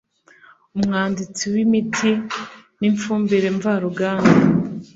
umwanditsi w imiti n imfumbire mvaruganda